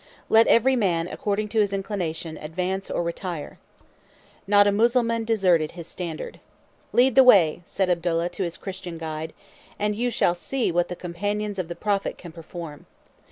Let every man, according to his inclination, advance or retire." Not a Mussulman deserted his standard. "Lead the way," said Abdallah to his Christian guide, "and you shall see what the companions of the prophet can perform."